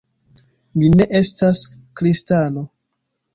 Mi ne estas kristano.